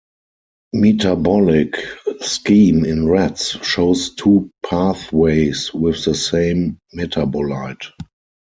Metabolic scheme in rats shows two pathways with the same metabolite.